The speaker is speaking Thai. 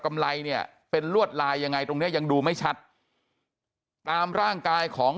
ไรเนี่ยเป็นลวดลายยังไงตรงเนี้ยยังดูไม่ชัดตามร่างกายของ